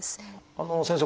先生。